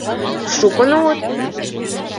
— Шукын улыт?